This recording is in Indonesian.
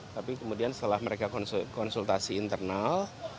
tapi kemudian setelah mereka konsultasi internal